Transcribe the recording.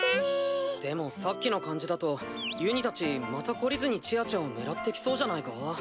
でもさっきの感じだとゆにたちまた懲りずにちあちゃんを狙ってきそうじゃないか？